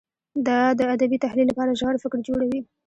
دا د ادبي تحلیل لپاره ژور فکر جوړوي.